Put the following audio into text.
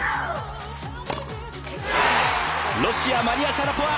ロシアマリア・シャラポワ